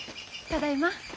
ただいま。